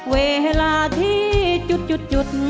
เวลาที่จุด